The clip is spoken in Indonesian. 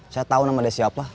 saya tahu nama dia siapa